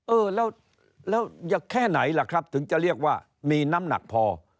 เออแล้วแค่ไหนล่ะครับถึงจะเรียกว่ามีน้ำหนักพอ